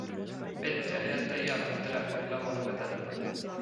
Petja ei jäta iial oma telefoni lauale vedelema.